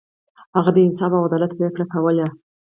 هغه د انصاف او عدالت پریکړې کولې.